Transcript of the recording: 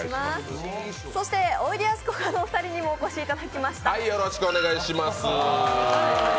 そしておいでやす小田のお二人にもお越しいただきました。